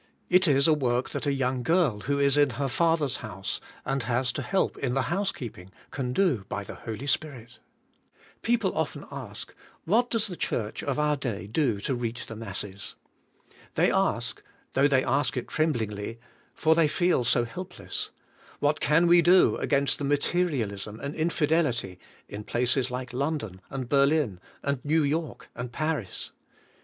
It is a work that a young girl who is in her father's house and has to help in the housekeeping can do by the Holy Spirit. People often ask: What does the Church of our day do to reach the masses? They ask, though they ask it tremblingl}^, for they feel so helpless: What can we do against the materialism and infidelity in places like London and Berlin and New York and Paris?